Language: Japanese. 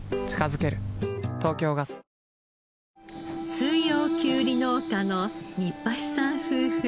四葉きゅうり農家の新橋さん夫婦。